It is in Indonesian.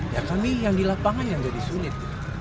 ya kami yang di lapangan yang jadi sulit